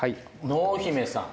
濃姫さん